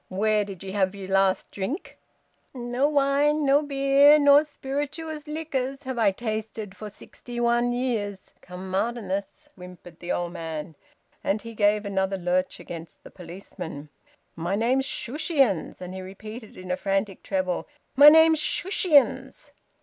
Where did ye have yer last drink?" "No wine, no beer, nor spirituous liquors have I tasted for sixty one years come Martinmas," whimpered the old man. And he gave another lurch against the policeman. "My name's Shushions!" And he repeated in a frantic treble, "My name's Shushions!"